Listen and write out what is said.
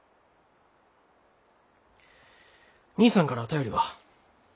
兄さんから便りは？